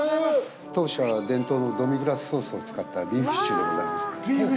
当社伝統のドミグラスソースを使ったビーフシチューでございます。